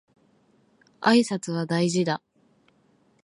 挨拶は大事だ